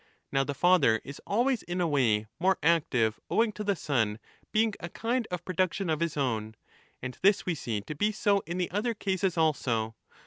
Now the father is always in a way more active owing to the son being a kind of production of his own. And this we see to be so in the other cases also.